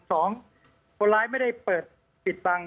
สองคนร้ายไม่ได้เปิดปิดบัง